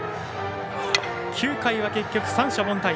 ９回は結局、三者凡退。